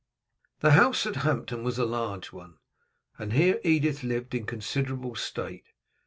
The house at Hampton was a large one, and here Edith lived in considerable state.